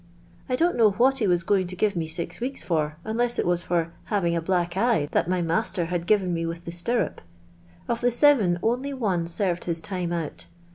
I don't know what he was going to give me six weeks fur, uiiloM it was tor having a black eye that my niasler had given me with the stirrup. Of the N'vni only one served his time out.